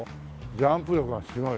ジャンプ力がすごい。